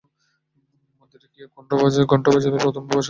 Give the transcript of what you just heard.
মন্দিরে গিয়ে ঘন্টা বাজাইলে আর হাতে প্রসাদ নিলেই দোকান বড় হয়ে যাবে?